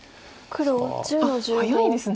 あっ早いですね。